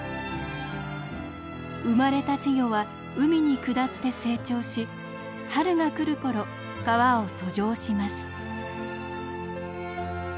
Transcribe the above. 生まれた稚魚は海に下って成長し春が来る頃川を遡上します。